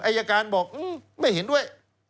อายการบอกไม่เห็นด้วย